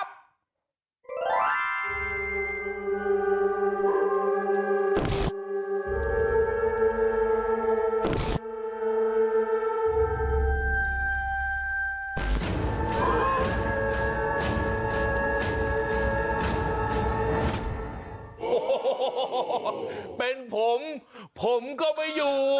โอ้โหเป็นผมผมก็ไม่อยู่